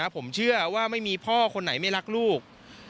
ผมเชื่อว่าไม่มีพ่อคนไหนไม่รักลูก